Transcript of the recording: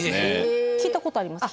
聞いたことあります？